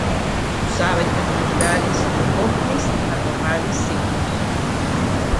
Sus hábitats naturales son los bosques y matorrales secos.